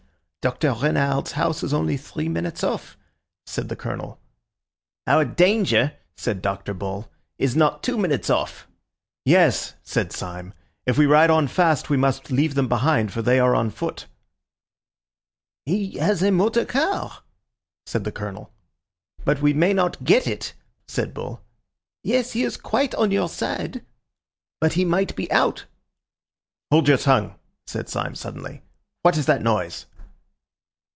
"Doctor Renard's house is only three minutes off," said the Colonel. "Our danger," said Dr. Bull, "is not two minutes off." "Yes," said Syme, "if we ride on fast we must leave them behind, for they are on foot." "He has a motor car," said the Colonel. "But we may not get it," said Bull. "Yes, he is quite on your side." "But he might be out." "Hold your tongue," said Syme suddenly. "What is that noise?"